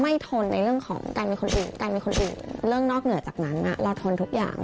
ทนในเรื่องของการมีคนอื่นการมีคนอื่นเรื่องนอกเหนือจากนั้นเราทนทุกอย่าง